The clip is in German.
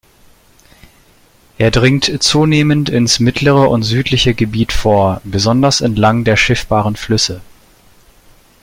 Er dringt zunehmend ins mittlere und südliche Gebiet vor, besonders entlang der schiffbaren Flüsse.